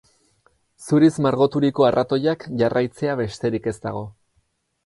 Zuriz margoturiko arratoiak jarraitzea besterik ez dago.